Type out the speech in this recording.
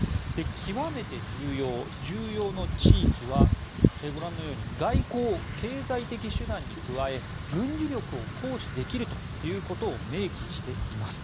極めて重要、重要の地域はご覧のように外交・経済的手段に加え軍事力を行使できるということを明記しています。